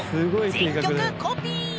全曲コピー。